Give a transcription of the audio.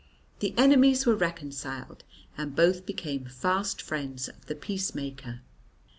The enemies were reconciled, and both became fast friends of the peacemaker.